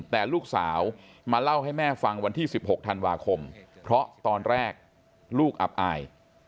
แต่ลูกสาวมาเล่าให้แม่ฟังวันที่๑๖ธันวาคมเพราะตอนแรกลูกอับอาย